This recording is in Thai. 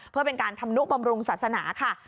เพื่อเป็นการทำนุบำรุงศาสนาค่ะ